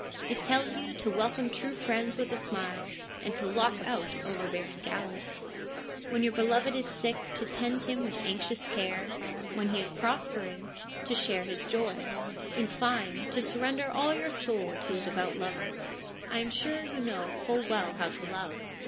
It tells you to welcome true friends with a smile, and to lock out overbearing gallants ; when your beloved is sick, to tend him with anxious care ; when he is prospering, to share his joy ; in fine, to surrender all your soul to a devout lover. I am sure you know full well how to love.